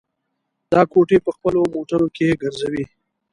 دا کوټې په خپلو موټرو کې ګرځوي.